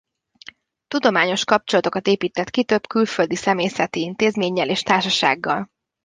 Tudományos kapcsolatokat épített ki több külföldi szemészeti intézménnyel és társasággal.